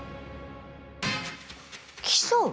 競う？